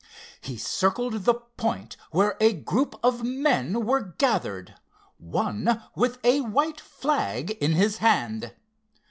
He circled the point where a group of men were gathered, one with a white flag in his hand.